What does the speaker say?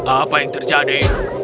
apa yang terjadi